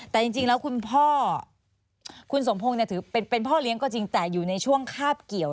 แต่จริงแล้วคุณพ่อคุณสมพงศ์ถือเป็นพ่อเลี้ยงก็จริงแต่อยู่ในช่วงคาบเกี่ยว